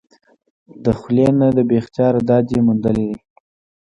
د خلي نه بې اختياره داد ئې موندلے دے ۔